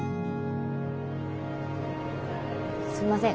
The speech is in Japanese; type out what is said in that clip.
すいません